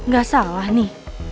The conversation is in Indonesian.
gak salah nih